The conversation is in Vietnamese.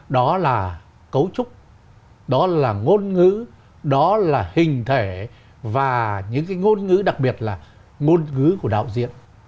đó là cấu trúc đó là ngôn ngữ đó là hình thể và những cái ngôn ngữ đặc biệt là ngôn ngữ của đạo diễn